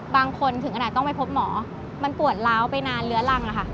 บางคนเถ่นถึงที่ต้องไปพบหมอแต่ปวดล้าวไปนาน